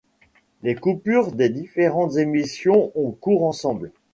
Les coupures des différentes émissions ont cours ensemble.